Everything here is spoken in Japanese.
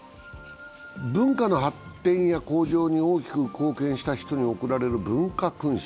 文化の発展や向上に大きく貢献した人に贈られる文化勲章。